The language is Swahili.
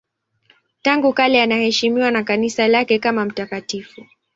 Tangu kale anaheshimiwa na Kanisa lake kama mtakatifu.